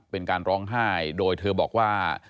เป็นการร้องไห้โดยเธอบอกว่า